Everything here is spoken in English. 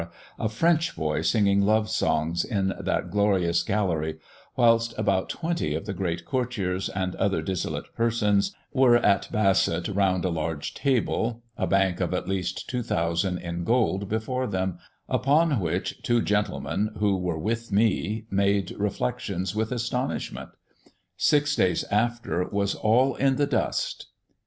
a French boy singing love songs, in that glorious gallery, whilst about twenty of the greate courtiers, and other dissolute persons, were at Basset round a large table; a bank of at least 2000 in gold before them, upon which two gentlemen, who were with me, made reflectious with astonishment. Six days after was all in the dust!"